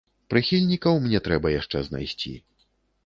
Прыхільнікаў мне трэба яшчэ знайсці.